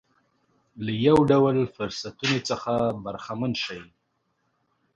له یو ډول فرصتونو څخه برخمن شي.